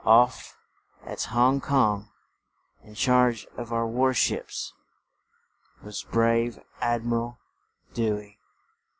Off at Hong Kong, in charge of our war ships, was brave Ad mi ral Dew ey.